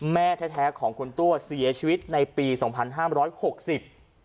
แม่แท้แท้ของคุณตัวเสียชีวิตในปีสองพันห้ามร้อยหกสิบ